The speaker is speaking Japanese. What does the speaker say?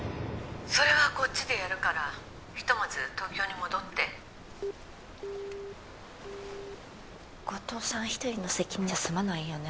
それはこっちでやるからひとまず東京に戻って後藤さん一人の責任じゃ済まないよね